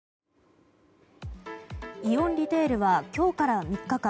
イオンリテールは今日から３日間